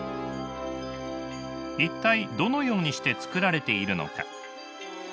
一体どのようにして作られているのか？